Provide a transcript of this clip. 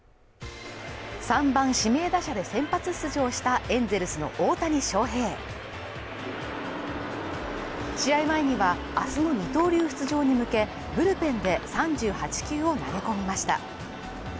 ３番指名打者で先発出場したエンゼルスの大谷翔平試合前には明日の二刀流出場に向け、ブルペンで３８球を投げ込みました。